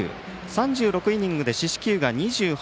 ３６イニングで四死球が２８。